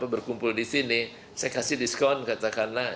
berkumpul di sini saya kasih diskon katakanlah